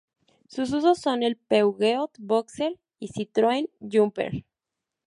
Sus usos son en el Peugeot Boxer y Citroën Jumper.